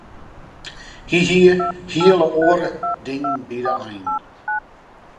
Hy hie hele oare dingen by de ein.